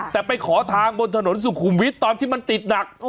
แต่ไปขอทางบนถนนสุขุมวิทย์ตอนที่มันติดหนัก